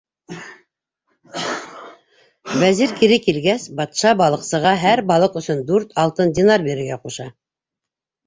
Вәзир кире килгәс, батша балыҡсыға һәр балыҡ өсөн дүрт алтын динар бирергә ҡуша.